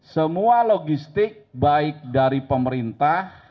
semua logistik baik dari pemerintah